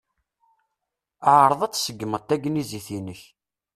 Ɛṛeḍ ad tseggmeḍ tagnizit-inek.